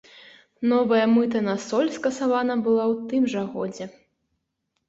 Новая мыта на соль скасавана была ў тым жа годзе.